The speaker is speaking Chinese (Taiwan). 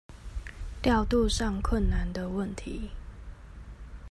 調度上困難的問題